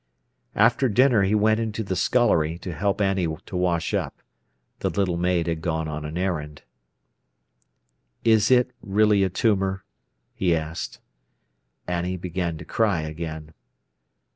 After dinner he went into the scullery to help Annie to wash up. The little maid had gone on an errand. "Is it really a tumour?" he asked. Annie began to cry again.